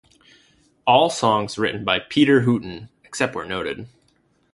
All songs written by Peter Hooton, except where noted.